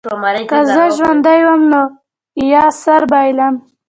که زه ژوندی وم نو یا سر بایلم.